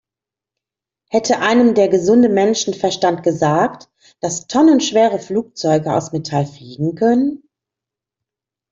Hätte einem der gesunde Menschenverstand gesagt, dass tonnenschwere Flugzeuge aus Metall fliegen können?